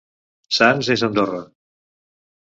Sants és Andorra!